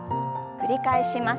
繰り返します。